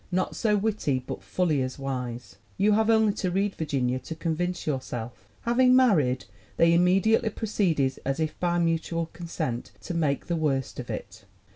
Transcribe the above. Not so witty, but fully as wise. "You have only to read Virginia to convince your self. " 'Having married, they immediately proceeded, as if by mutual consent, to make the worst of it.'